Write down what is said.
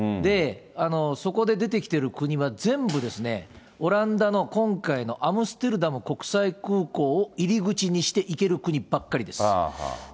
そこで出てきている国は全部ですね、オランダの今回のアムステルダム国際空港を入り口にして行ける国ばかりです。